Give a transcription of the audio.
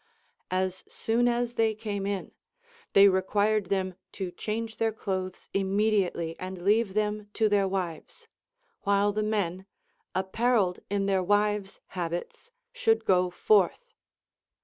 x\s soon as they came in, they required them to change their clothes immediately and leave them to their wives ; while the men, apparelled in their wives' habits, should go forth.